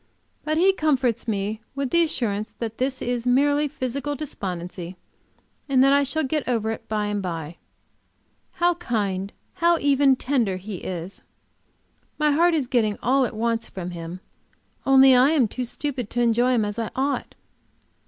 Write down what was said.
But he comforts me with the assurance that this is merely physical despondency, and that I shall get over it by and by. How kind, how even tender he is! My heart is getting all it wants from him, only I am too stupid to enjoy him as I ought.